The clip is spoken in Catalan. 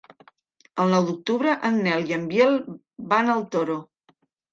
El nou d'octubre en Nel i en Biel van al Toro.